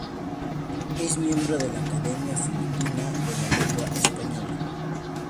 Es miembro de la Academia Filipina de la Lengua Española.